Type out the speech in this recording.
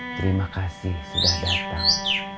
terima kasih sudah datang